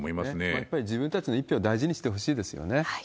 やっぱり自分たちの一票を大事にしてほしいですよね。